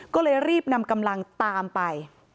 ก็เลยรีบนำกำลังตามไป